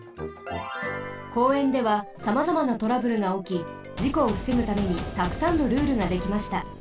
公園ではさまざまなトラブルがおきじこをふせぐためにたくさんのルールができました。